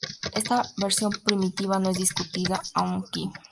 Esta versión primitiva no es discutida aquí.